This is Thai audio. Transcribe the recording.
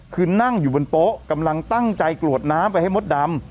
คือนั่งอยู่บนโป๊ะกำลังตั้งใจกรวดน้ำไปให้มดดำ